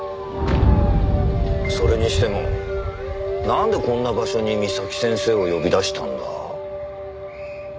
それにしてもなんでこんな場所に岬先生を呼び出したんだ？